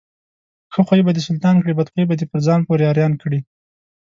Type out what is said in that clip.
ښه خوى به دسلطان کړي، بدخوى به دپرځان پورې حيران کړي.